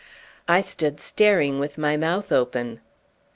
I stood staring with my mouth open.